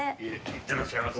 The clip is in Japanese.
いってらっしゃいませ。